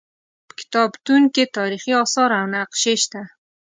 په کتابتون کې تاریخي اثار او نقشې شته.